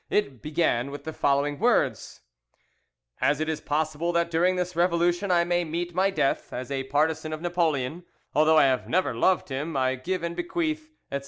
It began with the following words: "'As it is possible that during this revolution I may meet my death, as a partisan of Napoleon, although I have never loved him, I give and bequeath, etc.